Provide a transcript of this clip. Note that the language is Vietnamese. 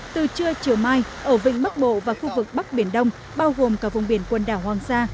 từ trưa chiều mai ở vịnh bắc bộ và khu vực bắc biển đông bao gồm cả vùng biển quần đảo hoàng sa